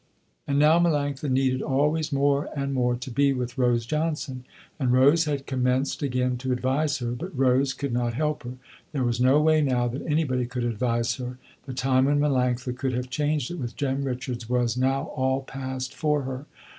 And now Melanctha needed always more and more to be with Rose Johnson, and Rose had commenced again to advise her, but Rose could not help her. There was no way now that anybody could advise her. The time when Melanctha could have changed it with Jem Richards was now all past for her.